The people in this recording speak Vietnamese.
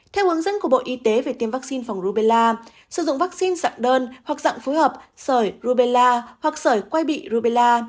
theo hướng dẫn của bộ y tế về tiêm vắc xin phòng rubella sử dụng vắc xin dạng đơn hoặc dạng phối hợp sở rubella hoặc sở quay bị rubella